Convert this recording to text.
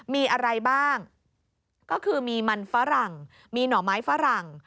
มีอะไรบ้างก็คือมีมันฝรั่งมีหน่อไม้ฝรั่ง